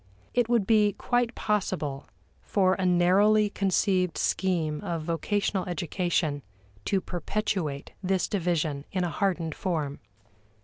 It would be quite possible for a narrowly conceived scheme of vocational education to perpetuate this division in a hardened form.